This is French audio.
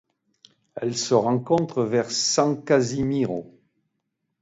Elle se rencontre vers San Casimiro.